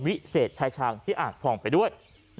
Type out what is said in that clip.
วิเศษชายชางที่อ่างทองไปด้วย